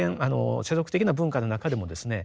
世俗的な文化の中でもですね